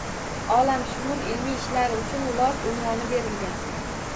Olamshumul ilmiy ishlari uchun lord unvoni berilgan